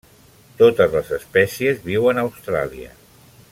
Totes les espècies viuen a Austràlia.